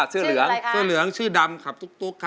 ชื่ออะไรคะชื่อเหลืองชื่อดำขับตุ๊กครับ